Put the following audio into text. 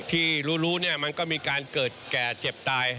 ที่รู้มันก็มีการเกิดแก่เจ็บตาย